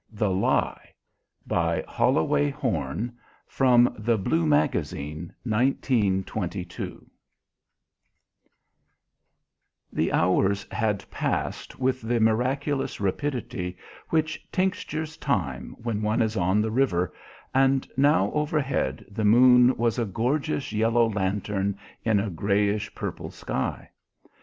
THE LIE By HOLLOWAY HORN (From The Blue Magazine and Harper's Bazar) 1922 The hours had passed with the miraculous rapidity which tinctures time when one is on the river, and now overhead the moon was a gorgeous yellow lantern in a greyish purple sky.